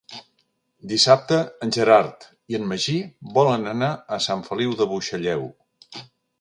Dissabte en Gerard i en Magí volen anar a Sant Feliu de Buixalleu.